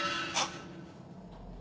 えっ？